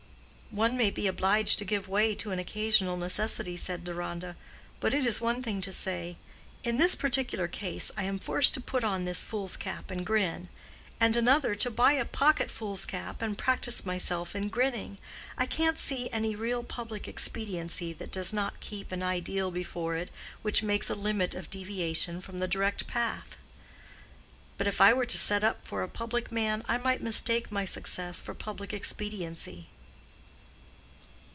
"One may be obliged to give way to an occasional necessity," said Deronda. "But it is one thing to say, 'In this particular case I am forced to put on this foolscap and grin,' and another to buy a pocket foolscap and practice myself in grinning. I can't see any real public expediency that does not keep an ideal before it which makes a limit of deviation from the direct path. But if I were to set up for a public man I might mistake my success for public expediency."